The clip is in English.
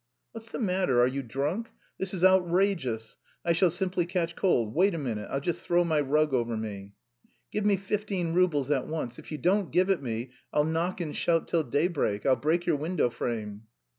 "What's the matter, are you drunk? This is outrageous, I shall simply catch cold. Wait a minute, I'll just throw my rug over me." "Give me fifteen roubles at once. If you don't give it me, I'll knock and shout till daybreak; I'll break your window frame."